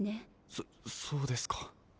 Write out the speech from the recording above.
そっそうですか。